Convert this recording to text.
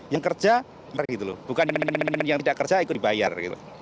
yang kerja gitu loh bukan yang tidak kerja ikut dibayar gitu